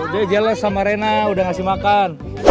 dia jelas sama rena udah ngasih makan